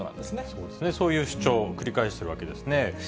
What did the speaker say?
そうですね、そういう主張を繰り返しているわけですね。